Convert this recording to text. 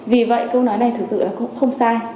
vì vậy câu nói này thực sự là cũng không sai